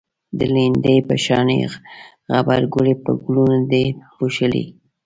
د لیندۍ په شانی غبرگی په گلونو دی پوښلی